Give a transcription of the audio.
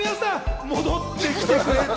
戻ってきてくれた。